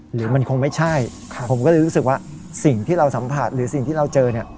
หรือมันคงไม่ใช่ผมก็เลยรู้สึกว่าสิ่งที่เราสัมผัสหรือสิ่งที่เราเจอเนี่ย